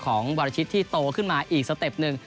วรชิตที่โตขึ้นมาอีกสเต็ปหนึ่ง